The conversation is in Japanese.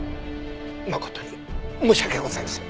誠に申し訳ございません。